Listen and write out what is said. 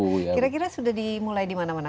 kira kira sudah dimulai di mana mana